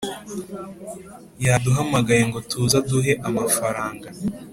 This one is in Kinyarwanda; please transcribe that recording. yaduhamagaye ngo tuze aduhe amafaranga